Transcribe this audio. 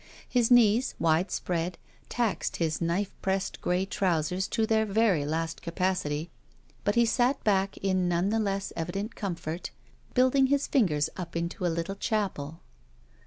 His knees, widespread, taxed his knife pressed gray trousers 6 SHE WALKS IN BEAUTY to their very last capacity, but he sat back in none the less evident comfort, building his fingers up into a little chapel.